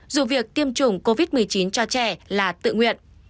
dù việc tiêm chủng covid một mươi chín cho trẻ là tự nguyện